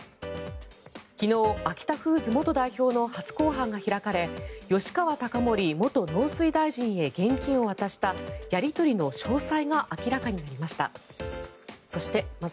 昨日、アキタフーズ元代表の初公判が開かれ吉川貴盛元農水大臣へ現金を渡したやり取りの詳細が明らかになりました。